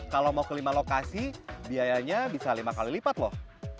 kalau mau ke lima lokasi biayanya bisa lima kali lipat loh